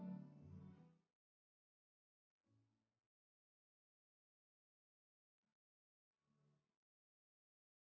kayak dia perlu di sini baik